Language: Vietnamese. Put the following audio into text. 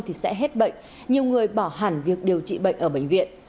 thì sẽ hết bệnh nhiều người bỏ hẳn việc điều trị bệnh ở bệnh viện